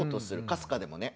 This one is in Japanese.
かすかでもね。